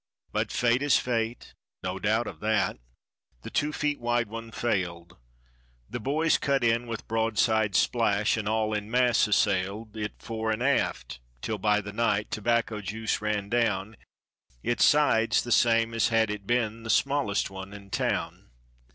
But Fate is Fate, no doubt of that, the two feet wide one failed— The boys cut in with broad side splash and all en masse assailed It 'fore and aft, 'till by the night, tobacco juice ran down Its sides the same as had it been the smallest one in town.